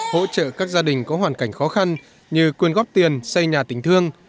hỗ trợ các gia đình có hoàn cảnh khó khăn như quyền góp tiền xây nhà tình thương